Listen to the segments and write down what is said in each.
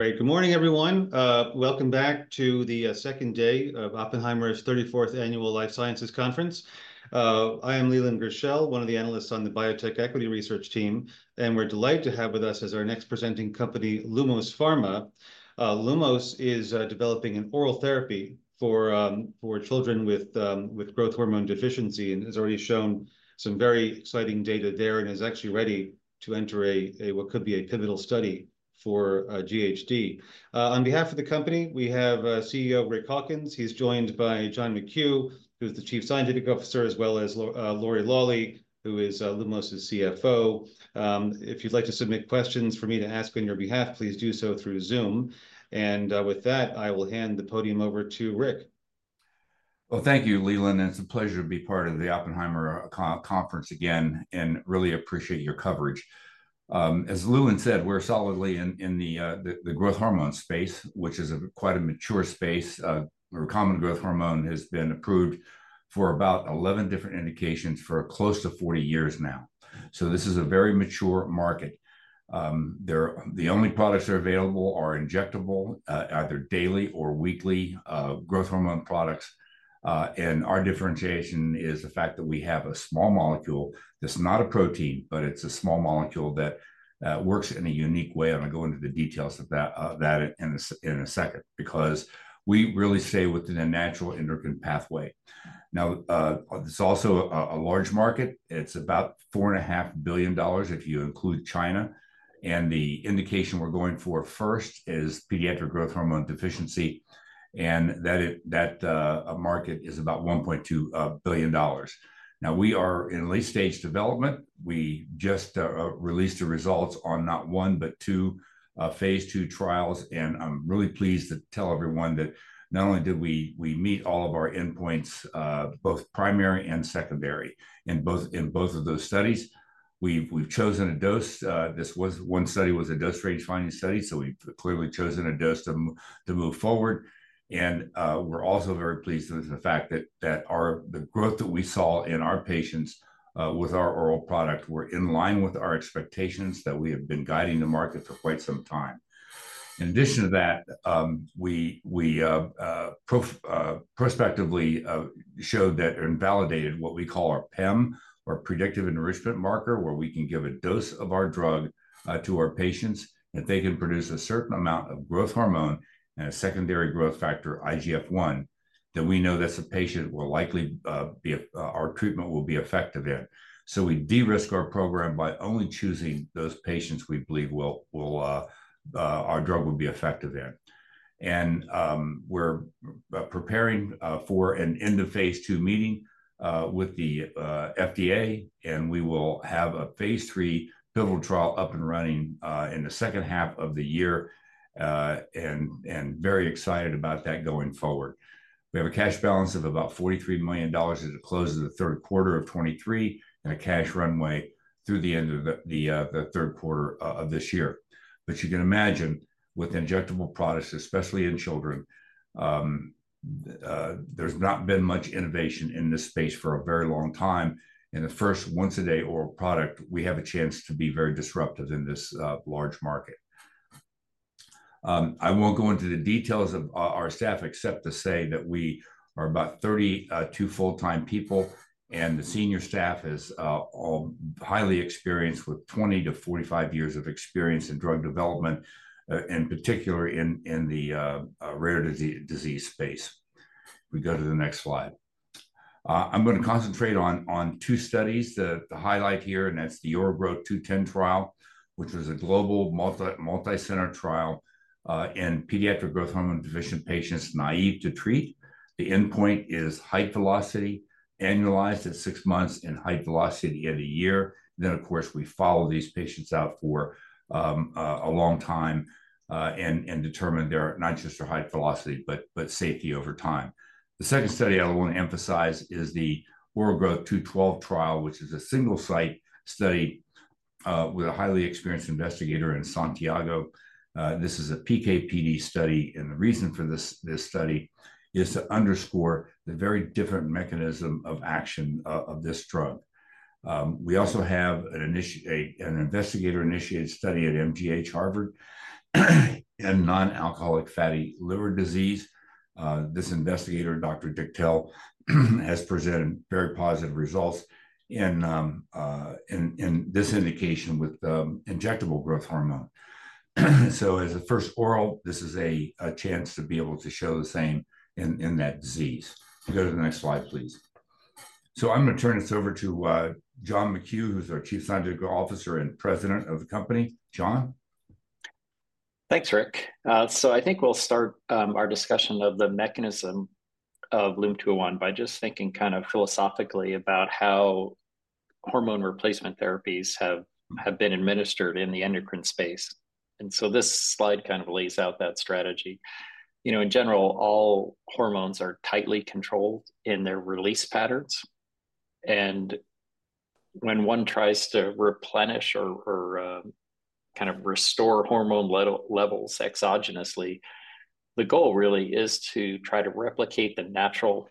Great. Good morning, everyone. Welcome back to the second day of Oppenheimer's 34th Annual Life Sciences Conference. I am Leland Gershell, one of the analysts on the Biotech Equity Research team, and we're delighted to have with us as our next presenting company Lumos Pharma. Lumos is developing an oral therapy for children with growth hormone deficiency and has already shown some very exciting data there and is actually ready to enter a what could be a pivotal study for GHD. On behalf of the company, we have CEO Rick Hawkins. He's joined by John McKew, who's the Chief Scientific Officer, as well as Lori Lawley, who is Lumos's CFO. If you'd like to submit questions for me to ask on your behalf, please do so through Zoom. And with that, I will hand the podium over to Rick. Well, thank you, Leland. It's a pleasure to be part of the Oppenheimer Conference again and really appreciate your coverage. As Leland said, we're solidly in the growth hormone space, which is quite a mature space. A common growth hormone has been approved for about 11 different indications for close to 40 years now. This is a very mature market. The only products that are available are injectable, either daily or weekly, growth hormone products. Our differentiation is the fact that we have a small molecule. That's not a protein, but it's a small molecule that works in a unique way. I'm going to go into the details of that in a second because we really stay within a natural endocrine pathway. Now, it's also a large market. It's about $4.5 billion if you include China. The indication we're going for first is pediatric growth hormone deficiency. And that market is about $1.2 billion. Now, we are in late stage development. We just released the results on not one, but two, phase 2 trials. And I'm really pleased to tell everyone that not only did we meet all of our endpoints, both primary and secondary in both of those studies. We've chosen a dose. This was a dose range finding study, so we've clearly chosen a dose to move forward. And, we're also very pleased with the fact that our growth that we saw in our patients, with our oral product were in line with our expectations that we have been guiding the market for quite some time. In addition to that, we prospectively showed that and validated what we call our PEM or predictive enrichment marker, where we can give a dose of our drug to our patients that they can produce a certain amount of growth hormone and a secondary growth factor, IGF-1. That we know that's a patient we'll likely be our treatment will be effective in. So we de-risk our program by only choosing those patients we believe our drug will be effective in. And we're preparing for an end of phase two meeting with the FDA, and we will have a phase three pivotal trial up and running in the second half of the year, and very excited about that going forward. We have a cash balance of about $43 million at the close of the third quarter of 2023 and a cash runway through the end of the third quarter of this year. But you can imagine with injectable products, especially in children, there's not been much innovation in this space for a very long time. In the first once-a-day oral product, we have a chance to be very disruptive in this large market. I won't go into the details of our staff except to say that we are about 32 full-time people. And the senior staff is all highly experienced with 20 to 45 years of experience in drug development, in particular in the rare disease space. If we go to the next slide. I'm going to concentrate on two studies. The highlight here, and that's the OraGrowtH210 trial. Which was a global multi-center trial in pediatric growth hormone-deficient patients, naïve to treatment. The endpoint is height velocity, annualized at 6 months and height velocity at 1 year. Then, of course, we follow these patients out for a long time, and determine not just their height velocity, but safety over time. The second study I want to emphasize is the OraGrowtH212 trial, which is a single-site study with a highly experienced investigator in Santiago. This is a PKPD study, and the reason for this study is to underscore the very different mechanism of action of this drug. We also have an investigator-initiated study at MGH Harvard. And non-alcoholic fatty liver disease. This investigator, Dr. Dichtel, has presented very positive results in this indication with the injectable growth hormone. So as a first oral, this is a chance to be able to show the same in that disease. If you go to the next slide, please. So I'm going to turn this over to John McKew, who's our Chief Scientific Officer and President of the company. John? Thanks, Rick. So I think we'll start our discussion of the mechanism of LUM-201 by just thinking kind of philosophically about how hormone replacement therapies have been administered in the endocrine space. And so this slide kind of lays out that strategy. You know, in general, all hormones are tightly controlled in their release patterns. And when one tries to replenish or kind of restore hormone levels exogenously. The goal really is to try to replicate the natural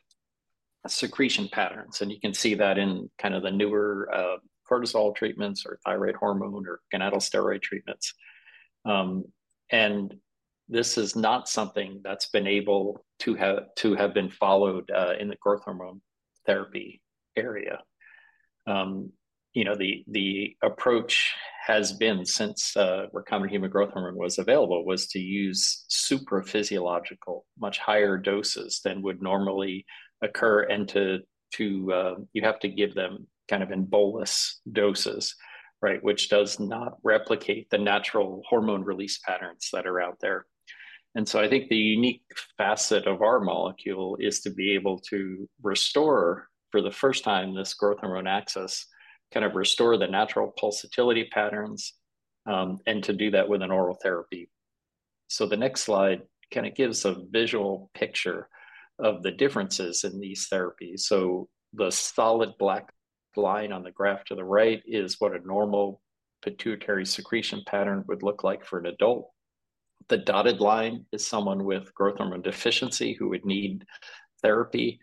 secretion patterns. And you can see that in kind of the newer cortisol treatments or thyroid hormone or gonadal steroid treatments. And this is not something that's been able to have been followed in the growth hormone therapy area. You know, the approach has been since recombinant human growth hormone was available to use supraphysiological, much higher doses than would normally occur, and you have to give them kind of in bolus doses, right, which does not replicate the natural hormone release patterns that are out there. And so I think the unique facet of our molecule is to be able to restore for the first time this growth hormone access, kind of restore the natural pulsatility patterns, and to do that with an oral therapy. So the next slide kind of gives a visual picture of the differences in these therapies. So the solid black line on the graph to the right is what a normal pituitary secretion pattern would look like for an adult. The dotted line is someone with growth hormone deficiency who would need therapy.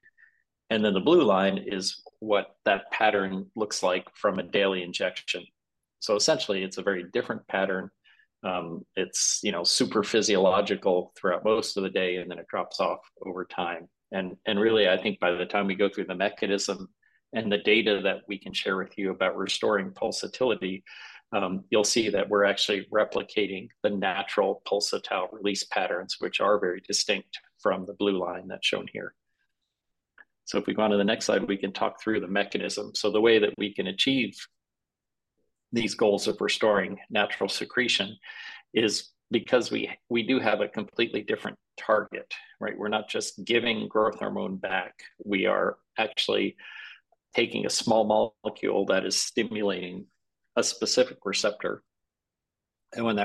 And then the blue line is what that pattern looks like from a daily injection. So essentially, it's a very different pattern. It's, you know, supraphysiological throughout most of the day, and then it drops off over time. And really, I think by the time we go through the mechanism and the data that we can share with you about restoring pulsatility, you'll see that we're actually replicating the natural pulsatile release patterns, which are very distinct from the blue line that's shown here. So if we go on to the next slide, we can talk through the mechanism. So the way that we can achieve these goals of restoring natural secretion is because we do have a completely different target, right? We're not just giving growth hormone back. We are actually taking a small molecule that is stimulating a specific receptor. When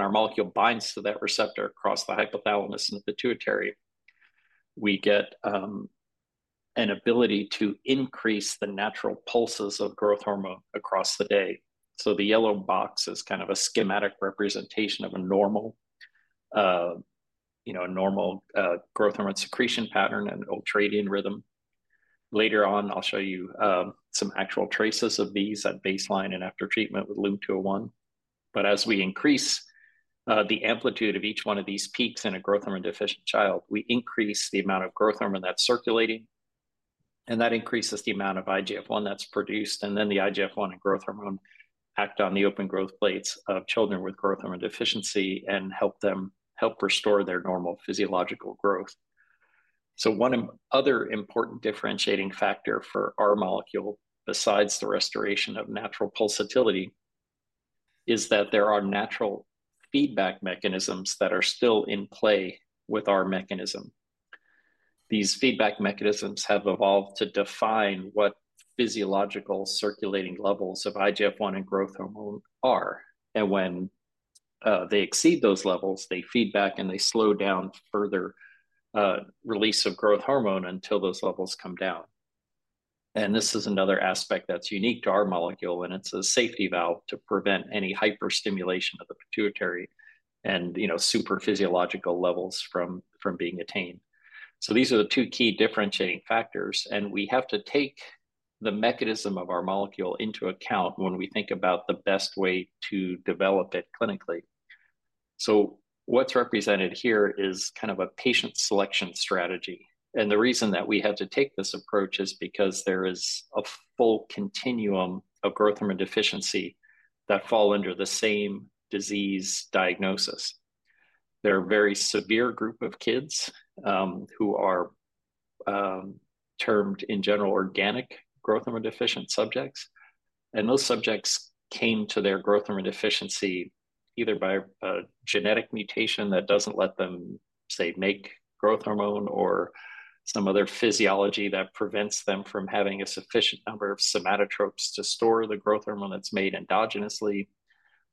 our molecule binds to that receptor across the hypothalamus and the pituitary, we get an ability to increase the natural pulses of growth hormone across the day. So the yellow box is kind of a schematic representation of a normal, you know, a normal, growth hormone secretion pattern and ultradian rhythm. Later on, I'll show you some actual traces of these at baseline and after treatment with LUM-201. But as we increase the amplitude of each one of these peaks in a growth hormone deficient child, we increase the amount of growth hormone that's circulating. And that increases the amount of IGF-1 that's produced, and then the IGF-1 and growth hormone act on the open growth plates of children with growth hormone deficiency and help them restore their normal physiological growth. So one other important differentiating factor for our molecule, besides the restoration of natural pulsatility, is that there are natural feedback mechanisms that are still in play with our mechanism. These feedback mechanisms have evolved to define what physiological circulating levels of IGF-1 and growth hormone are. And when they exceed those levels, they feed back and they slow down further release of growth hormone until those levels come down. And this is another aspect that's unique to our molecule, and it's a safety valve to prevent any hyperstimulation of the pituitary and, you know, supraphysiological levels from being attained. So these are the two key differentiating factors, and we have to take the mechanism of our molecule into account when we think about the best way to develop it clinically. So what's represented here is kind of a patient selection strategy. The reason that we have to take this approach is because there is a full continuum of growth hormone deficiency that fall under the same disease diagnosis. They're a very severe group of kids, who are termed, in general, organic growth hormone deficient subjects. Those subjects came to their growth hormone deficiency either by a genetic mutation that doesn't let them, say, make growth hormone or some other physiology that prevents them from having a sufficient number of somatotropes to store the growth hormone that's made endogenously.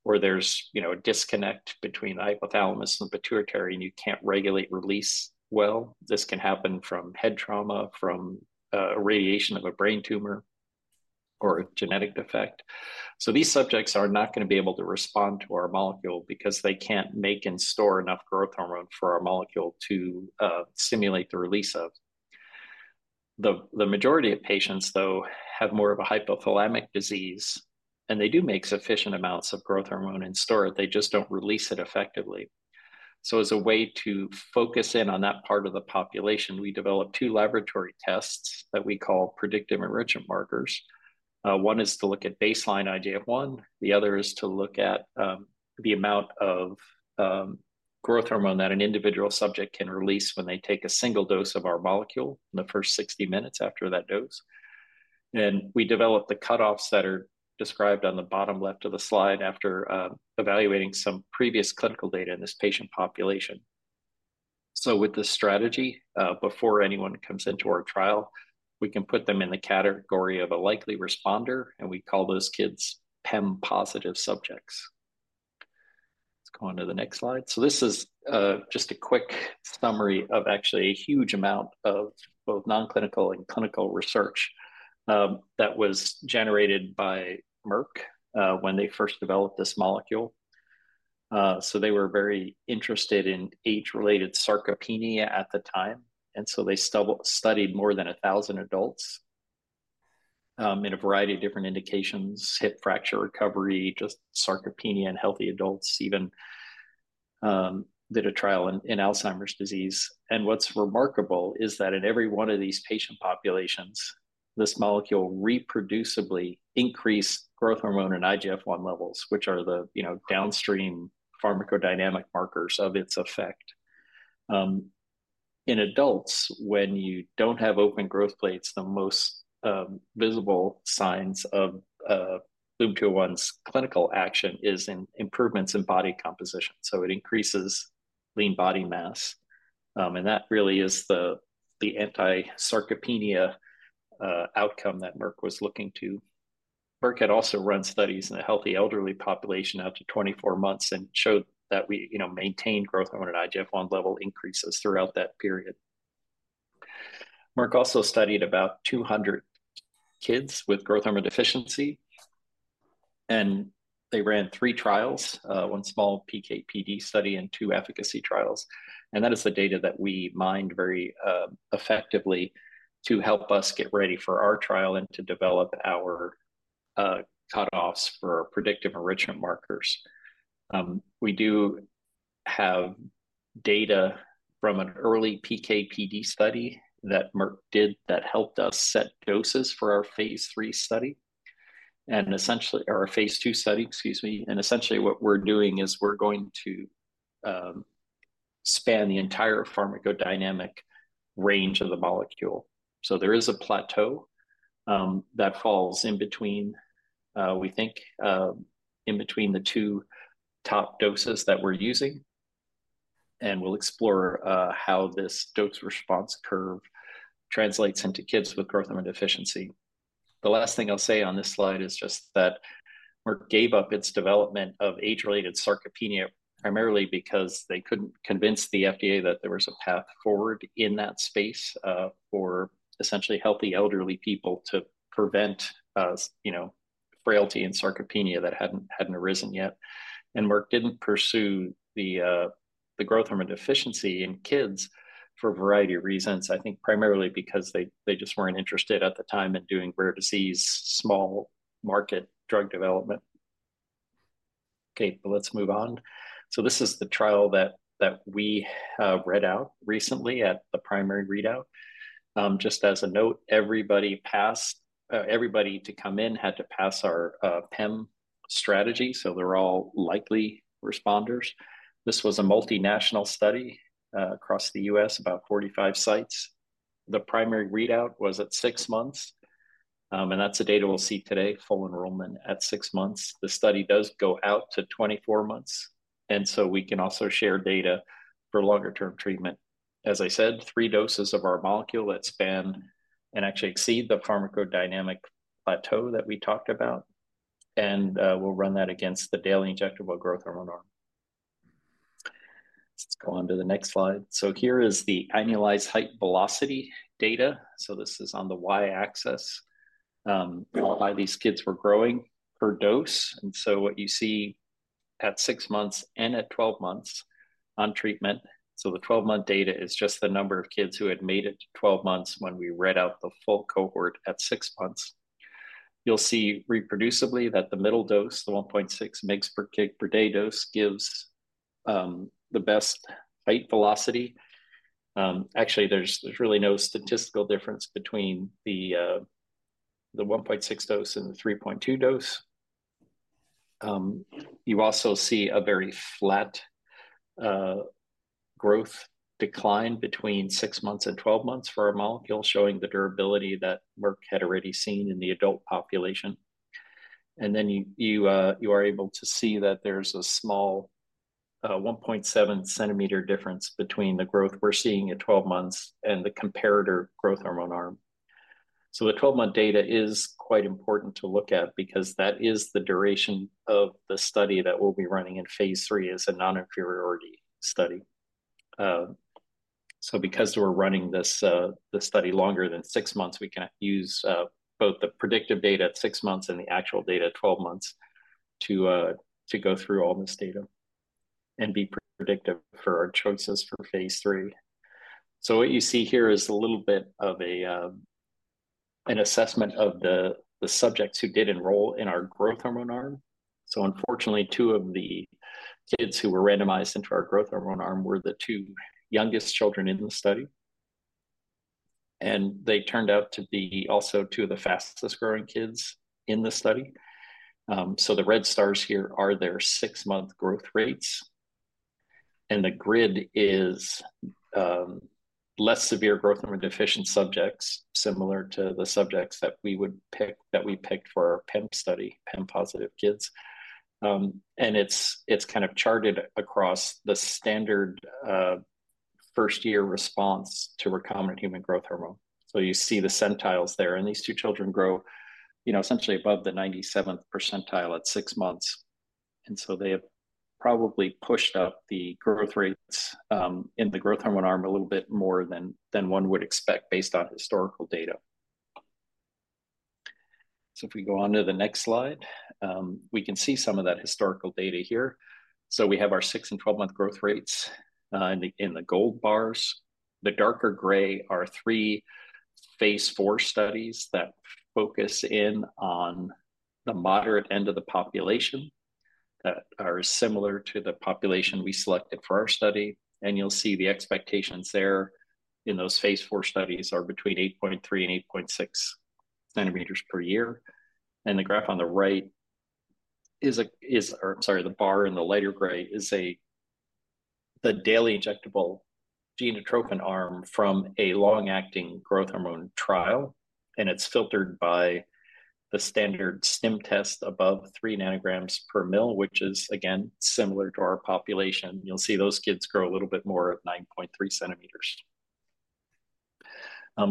Or there's, you know, a disconnect between the hypothalamus and the pituitary, and you can't regulate release well. This can happen from head trauma, from a radiation of a brain tumor. Or a genetic defect. So these subjects are not going to be able to respond to our molecule because they can't make and store enough growth hormone for our molecule to stimulate the release of. The majority of patients, though, have more of a hypothalamic disease. And they do make sufficient amounts of growth hormone and store it. They just don't release it effectively. So as a way to focus in on that part of the population, we developed two laboratory tests that we call predictive enrichment markers. One is to look at baseline IGF-1. The other is to look at the amount of growth hormone that an individual subject can release when they take a single dose of our molecule in the first 60 minutes after that dose. We developed the cutoffs that are described on the bottom left of the slide after evaluating some previous clinical data in this patient population. So with this strategy, before anyone comes into our trial, we can put them in the category of a likely responder, and we call those kids PEM-positive subjects. Let's go on to the next slide. So this is just a quick summary of actually a huge amount of both non-clinical and clinical research that was generated by Merck when they first developed this molecule. So they were very interested in age-related sarcopenia at the time. So they studied more than 1,000 adults in a variety of different indications, hip fracture recovery, just sarcopenia in healthy adults, even did a trial in Alzheimer's disease. What's remarkable is that in every one of these patient populations, this molecule reproducibly increased growth hormone and IGF-1 levels, which are the, you know, downstream pharmacodynamic markers of its effect. In adults, when you don't have open growth plates, the most visible signs of LUM-201's clinical action is in improvements in body composition. It increases lean body mass. That really is the anti-sarcopenia outcome that Merck was looking to. Merck had also run studies in the healthy elderly population out to 24 months and showed that we, you know, maintained growth hormone and IGF-1 level increases throughout that period. Merck also studied about 200 kids with growth hormone deficiency. They ran three trials, one small PKPD study and two efficacy trials. That is the data that we mined very effectively to help us get ready for our trial and to develop our cutoffs for predictive enrichment markers. We do have data from an early PKPD study that Merck did that helped us set doses for our phase III study. And essentially, or a phase II study, excuse me. And essentially, what we're doing is we're going to span the entire pharmacodynamic range of the molecule. So there is a plateau, that falls in between, we think, in between the 2 top doses that we're using. And we'll explore, how this dose response curve translates into kids with growth hormone deficiency. The last thing I'll say on this slide is just that Merck gave up its development of age-related sarcopenia primarily because they couldn't convince the FDA that there was a path forward in that space, for essentially healthy elderly people to prevent, you know, frailty and sarcopenia that hadn't arisen yet. And Merck didn't pursue the growth hormone deficiency in kids for a variety of reasons. I think primarily because they just weren't interested at the time in doing rare disease, small market drug development. Okay, but let's move on. So this is the trial that we read out recently at the primary readout. Just as a note, everybody passed, everybody to come in had to pass our PEM strategy. So they're all likely responders. This was a multinational study, across the U.S., about 45 sites. The primary readout was at six months. That's the data we'll see today, full enrollment at 6 months. The study does go out to 24 months. We can also share data for longer-term treatment. As I said, 3 doses of our molecule that span and actually exceed the pharmacodynamic plateau that we talked about. We'll run that against the daily injectable growth hormone arm. Let's go on to the next slide. Here is the annualized height velocity data. This is on the y-axis. How high these kids were growing per dose. What you see at 6 months and at 12 months on treatment. The 12-month data is just the number of kids who had made it to 12 months when we read out the full cohort at 6 months. You'll see reproducibly that the middle dose, the 1.6 mg/kg/day dose gives the best height velocity. Actually, there's really no statistical difference between the 1.6 dose and the 3.2 dose. You also see a very flat growth decline between 6 months and 12 months for our molecule, showing the durability that Merck had already seen in the adult population. Then you are able to see that there's a small 1.7 cm difference between the growth we're seeing at 12 months and the comparator growth hormone arm. So the 12-month data is quite important to look at because that is the duration of the study that we'll be running in phase III as a non-inferiority study. So because we're running this study longer than 6 months, we can use both the predictive data at 6 months and the actual data at 12 months to go through all this data and be predictive for our choices for phase III. So what you see here is a little bit of an assessment of the subjects who did enroll in our growth hormone arm. So unfortunately, 2 of the kids who were randomized into our growth hormone arm were the 2 youngest children in the study. And they turned out to be also 2 of the fastest growing kids in the study. So the red stars here are their 6-month growth rates. And the grid is less severe growth hormone deficiency subjects, similar to the subjects that we would pick that we picked for our PEM study, PEM-positive kids. It's kind of charted across the standard, first-year response to recombinant human growth hormone. So you see the centiles there. These two children grow, you know, essentially above the 97th percentile at six months. So they have probably pushed up the growth rates in the growth hormone arm a little bit more than one would expect based on historical data. If we go on to the next slide, we can see some of that historical data here. We have our six- and 12-month growth rates in the gold bars. The darker gray are three phase 4 studies that focus in on the moderate end of the population that are similar to the population we selected for our study. You'll see the expectations there in those phase 4 studies are between 8.3 and 8.6 centimeters per year. And the graph on the right is, or I'm sorry, the bar in the lighter gray is the daily injectable Genotropin arm from a long-acting growth hormone trial. And it's filtered by the standard STIM test above 3 nanograms per mil, which is, again, similar to our population. You'll see those kids grow a little bit more, 9.3 centimeters.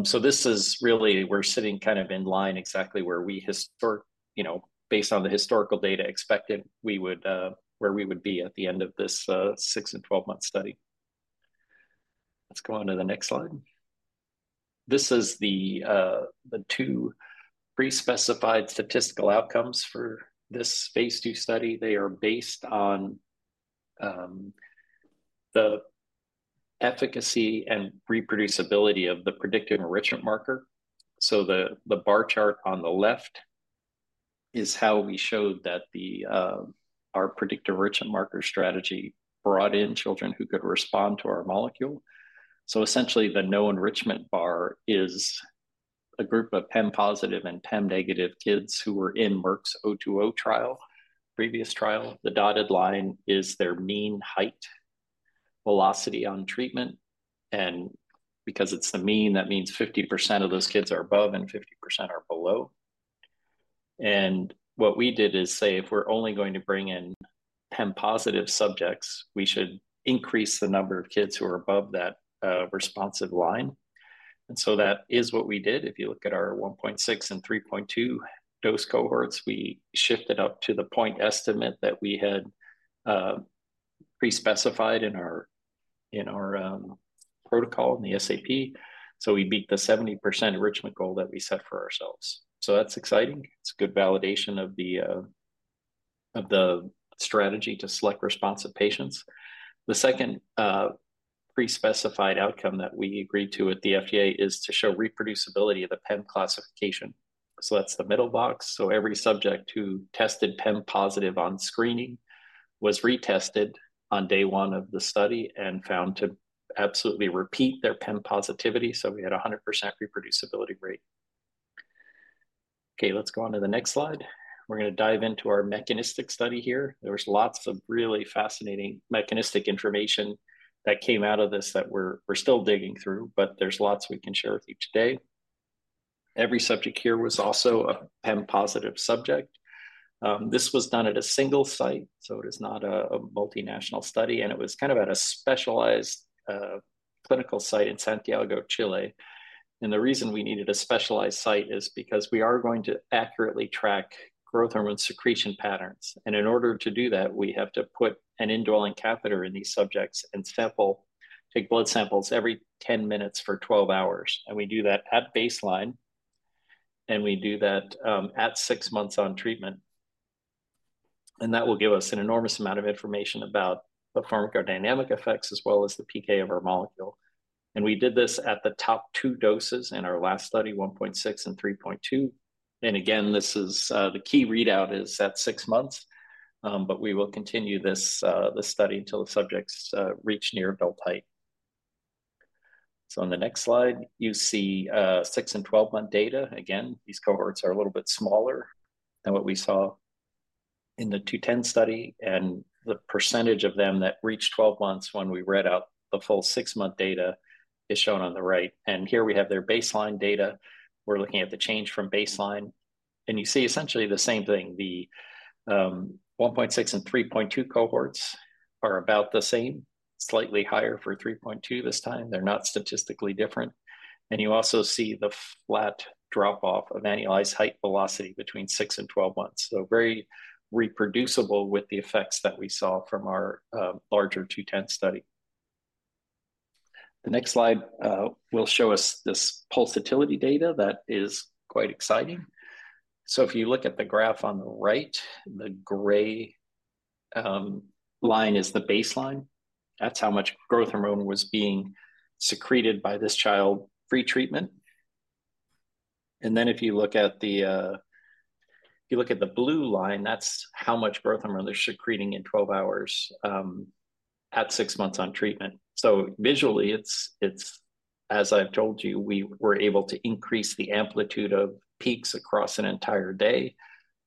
So this is really we're sitting kind of in line exactly where we historically, you know, based on the historical data expected we would be at the end of this 6- and 12-month study. Let's go on to the next slide. This is the two pre-specified statistical outcomes for this phase 2 study. They are based on the efficacy and reproducibility of the predictive enrichment marker. So the bar chart on the left is how we showed that our predictive enrichment marker strategy brought in children who could respond to our molecule. So essentially, the no enrichment bar is a group of PEM-positive and PEM-negative kids who were in Merck's 020 trial, previous trial. The dotted line is their mean height velocity on treatment. Because it's the mean, that means 50% of those kids are above and 50% are below. What we did is say if we're only going to bring in PEM-positive subjects, we should increase the number of kids who are above that responsive line. That is what we did. If you look at our 1.6 and 3.2 dose cohorts, we shifted up to the point estimate that we had pre-specified in our protocol in the SAP. So we beat the 70% enrichment goal that we set for ourselves. So that's exciting. It's good validation of the strategy to select responsive patients. The second, pre-specified outcome that we agreed to with the FDA is to show reproducibility of the PEM classification. So that's the middle box. So every subject who tested PEM-positive on screening was retested on day one of the study and found to absolutely repeat their PEM positivity. So we had a 100% reproducibility rate. Okay, let's go on to the next slide. We're going to dive into our mechanistic study here. There was lots of really fascinating mechanistic information that came out of this that we're still digging through, but there's lots we can share with you today. Every subject here was also a PEM-positive subject. This was done at a single site. So it is not a multinational study. It was kind of at a specialized, clinical site in Santiago, Chile. The reason we needed a specialized site is because we are going to accurately track growth hormone secretion patterns. In order to do that, we have to put an indwelling catheter in these subjects and sample, take blood samples every 10 minutes for 12 hours. We do that at baseline. We do that at six months on treatment. That will give us an enormous amount of information about the pharmacodynamic effects as well as the PK of our molecule. We did this at the top two doses in our last study, 1.6 and 3.2. Again, this is the key readout is at six months. But we will continue this study until the subjects reach near adult height. On the next slide, you see six and 12-month data. Again, these cohorts are a little bit smaller than what we saw in the 210 study. The percentage of them that reached 12 months when we read out the full 6-month data is shown on the right. Here we have their baseline data. We're looking at the change from baseline. You see essentially the same thing. The 1.6 and 3.2 cohorts are about the same, slightly higher for 3.2 this time. They're not statistically different. You also see the flat drop-off of annualized height velocity between 6 and 12 months. So very reproducible with the effects that we saw from our larger 210 study. The next slide will show us this pulsatility data that is quite exciting. So if you look at the graph on the right, the gray line is the baseline. That's how much growth hormone was being secreted by this child pre-treatment. And then if you look at the blue line, that's how much growth hormone they're secreting in 12 hours at six months on treatment. So visually, it's as I've told you, we were able to increase the amplitude of peaks across an entire day.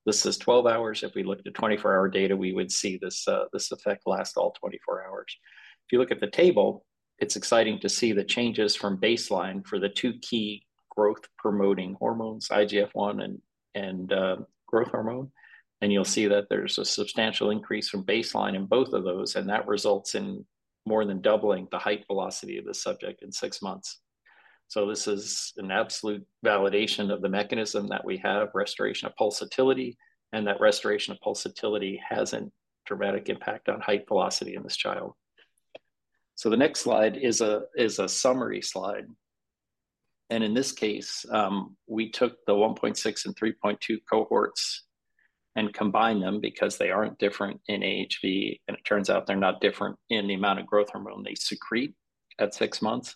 This is 12 hours. If we looked at 24-hour data, we would see this effect last all 24 hours. If you look at the table, it's exciting to see the changes from baseline for the two key growth-promoting hormones, IGF-1 and growth hormone. And you'll see that there's a substantial increase from baseline in both of those. And that results in more than doubling the height velocity of the subject in six months. So this is an absolute validation of the mechanism that we have, restoration of pulsatility. That restoration of pulsatility has a dramatic impact on height velocity in this child. The next slide is a summary slide. In this case, we took the 1.6 and 3.2 cohorts and combined them because they aren't different in AHV. It turns out they're not different in the amount of growth hormone they secrete at six months.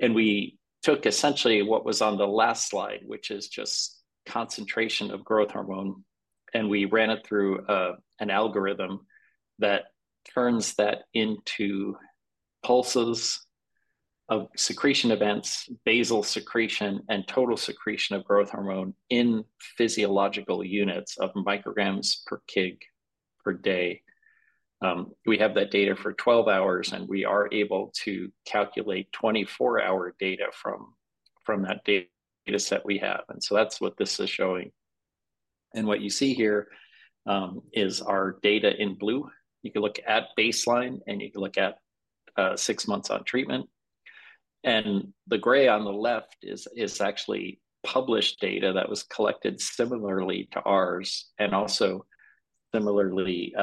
We took essentially what was on the last slide, which is just concentration of growth hormone. We ran it through an algorithm that turns that into pulses of secretion events, basal secretion, and total secretion of growth hormone in physiological units of micrograms per kg per day. We have that data for 12 hours. We are able to calculate 24-hour data from that data set we have. That's what this is showing. What you see here is our data in blue. You can look at baseline and you can look at six months on treatment. The gray on the left is actually published data that was collected similarly to ours and also similarly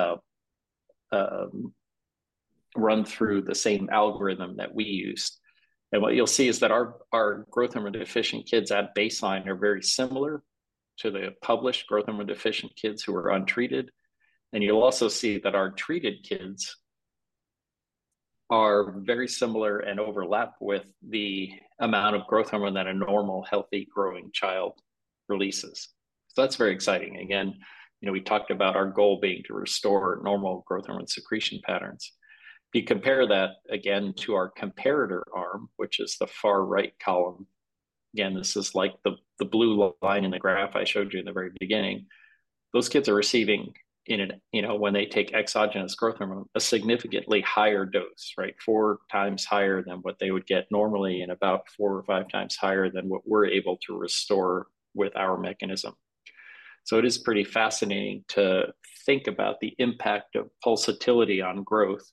run through the same algorithm that we used. What you'll see is that our growth hormone deficient kids at baseline are very similar to the published growth hormone deficient kids who are untreated. You'll also see that our treated kids are very similar and overlap with the amount of growth hormone that a normal, healthy, growing child releases. That's very exciting. Again, you know we talked about our goal being to restore normal growth hormone secretion patterns. If you compare that again to our comparator arm, which is the far right column, again, this is like the blue line in the graph I showed you in the very beginning. Those kids are receiving, you know, when they take exogenous growth hormone, a significantly higher dose, right? 4 times higher than what they would get normally and about 4 or 5 times higher than what we're able to restore with our mechanism. So it is pretty fascinating to think about the impact of pulsatility on growth.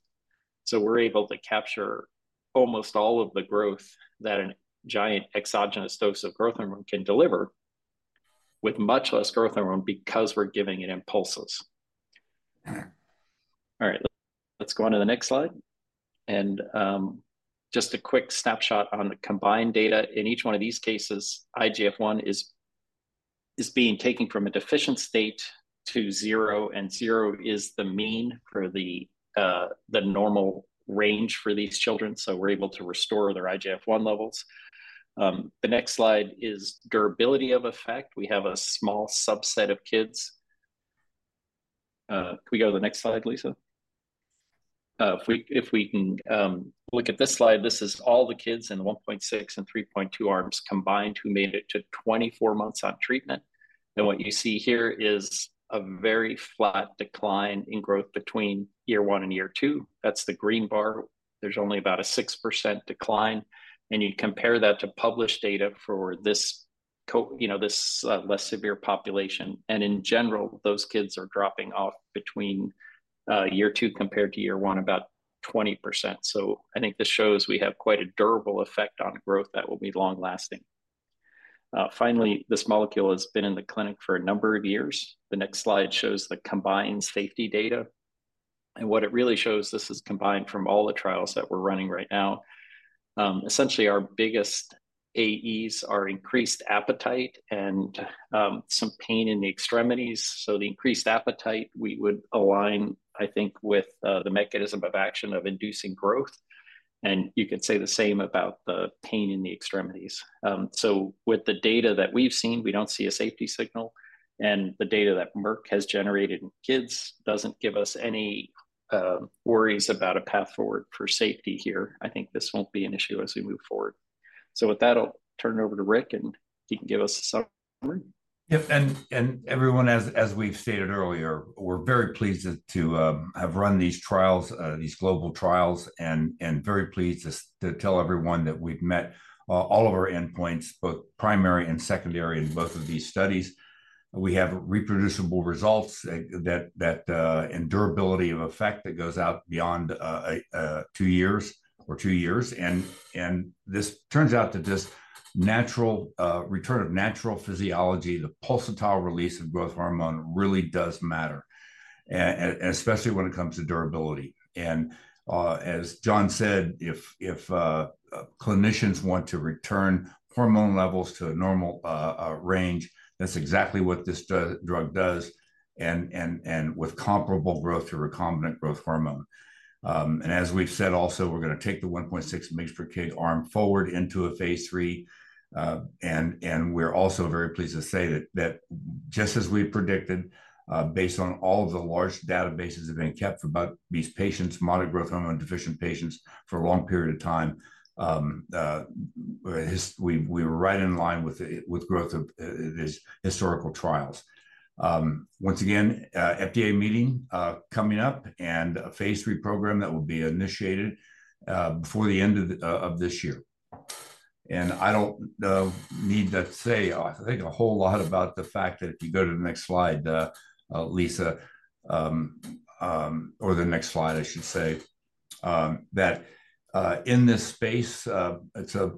So we're able to capture almost all of the growth that a giant exogenous dose of growth hormone can deliver with much less growth hormone because we're giving it impulses. All right, let's go on to the next slide. Just a quick snapshot on the combined data. In each one of these cases, IGF-1 is being taken from a deficient state to zero. And zero is the mean for the normal range for these children. So we're able to restore their IGF-1 levels. The next slide is durability of effect. We have a small subset of kids. Can we go to the next slide, Lisa? If we can look at this slide, this is all the kids in the 1.6 and 3.2 arms combined who made it to 24 months on treatment. And what you see here is a very flat decline in growth between year one and year two. That's the green bar. There's only about a 6% decline. And you'd compare that to published data for this, you know this less severe population. And in general, those kids are dropping off between year two compared to year one about 20%. So I think this shows we have quite a durable effect on growth that will be long-lasting. Finally, this molecule has been in the clinic for a number of years. The next slide shows the combined safety data. And what it really shows, this is combined from all the trials that we're running right now. Essentially, our biggest AEs are increased appetite and some pain in the extremities. So the increased appetite, we would align, I think, with the mechanism of action of inducing growth. And you could say the same about the pain in the extremities. So with the data that we've seen, we don't see a safety signal. And the data that Merck has generated in kids doesn't give us any worries about a path forward for safety here. I think this won't be an issue as we move forward. So with that, I'll turn it over to Rick and he can give us a summary. Yep. Everyone, as we've stated earlier, we're very pleased to have run these trials, these global trials, and very pleased to tell everyone that we've met all of our endpoints, both primary and secondary in both of these studies. We have reproducible results and durability of effect that goes out beyond a 2 years or 2 years. This turns out to just natural return of natural physiology, the pulsatile release of growth hormone really does matter, and especially when it comes to durability. As John said, if clinicians want to return hormone levels to a normal range, that's exactly what this drug does. With comparable growth to recombinant growth hormone. And as we've said also, we're going to take the 1.6 mg/kg arm forward into a phase III. And we're also very pleased to say that just as we predicted, based on all of the large databases that have been kept for about these patients, mild growth hormone deficient patients for a long period of time, we were right in line with the growth of these historical trials. Once again, FDA meeting coming up and a phase III program that will be initiated before the end of this year. And I don't need to say, I think, a whole lot about the fact that if you go to the next slide, Lisa, or the next slide, I should say, that in this space, it's a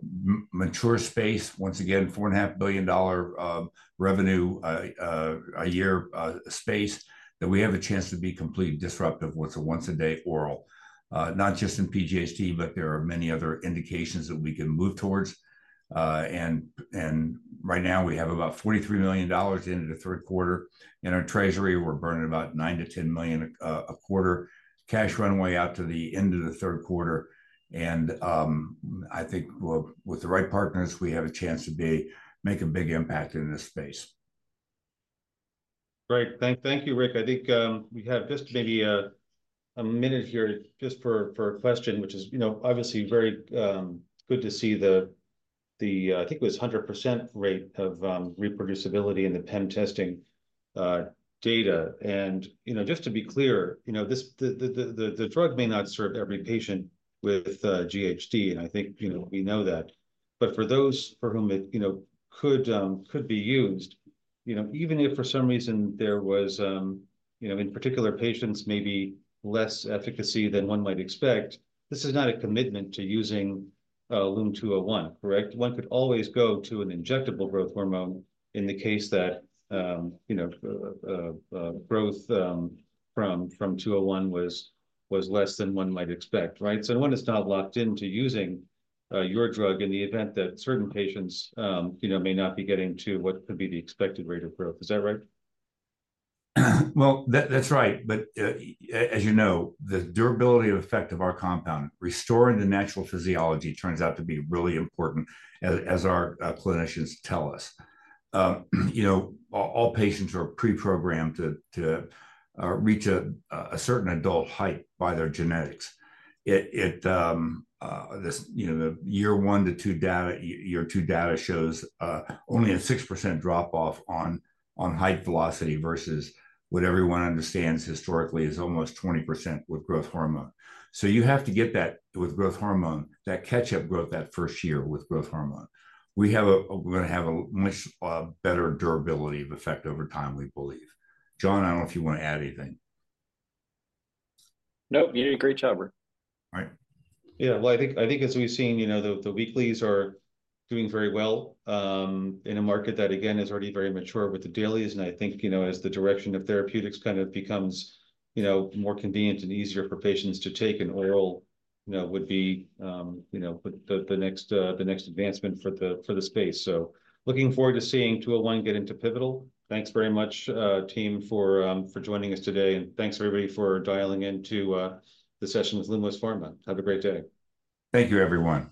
mature space. Once again, $4.5 billion revenue a year space that we have a chance to be completely disruptive with a once-a-day oral. Not just in PGHD, but there are many other indications that we can move towards. And right now we have about $43 million end of the third quarter in our treasury. We're burning about $9 to 10 million a quarter cash runway out to the end of the third quarter. And I think with the right partners, we have a chance to make a big impact in this space. - Great. Thank you, Rick. I think we have just maybe a minute here just for a question, which is, you know obviously very good to see the, I think it was 100% rate of reproducibility in the PEM testing data. And you know, just to be clear, you know, this, the drug may not serve every patient with GHD. And I think you know we know that. But for those for whom it you know could be used, you know, even if for some reason there was, you know, in particular patients, maybe less efficacy than one might expect, this is not a commitment to using LUM-201, correct? One could always go to an injectable growth hormone in the case that, you know, growth from 201 was less than one might expect, right? So one is not locked into using your drug in the event that certain patients, you know, may not be getting to what could be the expected rate of growth. Is that right? - Well, that's right. But as you know, the durability of effect of our compound, restoring the natural physiology, turns out to be really important as our clinicians tell us. You know, all patients are pre-programmed to reach a certain adult height by their genetics. This, you know, the year one to two data, year two data shows only a 6% drop-off on height velocity versus what everyone understands historically is almost 20% with growth hormone. So you have to get that with growth hormone, that catch-up growth that first year with growth hormone. We're going to have a much better durability of effect over time, we believe. John, I don't know if you want to add anything. - Nope, you did a great job, Rick. All right. Yeah, well, I think as we've seen, you know, the weeklies are doing very well in a market that, again, is already very mature with the dailies. And I think, you know, as the direction of therapeutics kind of becomes, you know, more convenient and easier for patients to take, an oral, you know, would be, you know, the next advancement for the space. So, looking forward to seeing 201 get into pivotal. Thanks very much, team, for joining us today. And thanks, everybody, for dialing into the session with Lumos Pharma. Have a great day. Thank you, everyone.